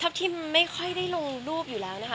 ทิมไม่ค่อยได้ลงรูปอยู่แล้วนะคะ